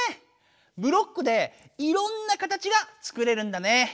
ブロックでいろんな形がつくれるんだね。